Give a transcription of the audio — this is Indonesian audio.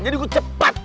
jadi gua cepat